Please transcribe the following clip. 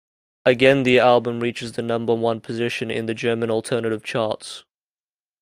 Again the album reaches the number one position in the German Alternative Charts.